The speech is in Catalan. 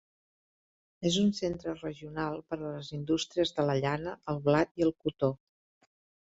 És un centre regional per a les indústries de la llana, el blat i el cotó.